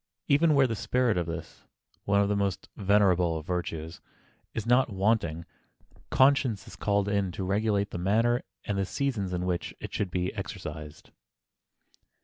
Even where the spirit of this—one of the most venerable of virtues—is not wanting, conscience is called in to regulate the manner and the seasons in which it should be exercised.